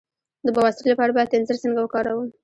د بواسیر لپاره باید انځر څنګه وکاروم؟